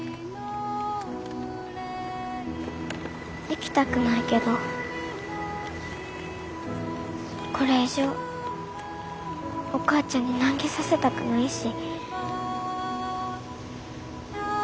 行きたくないけどこれ以上お母ちゃんに難儀させたくないし。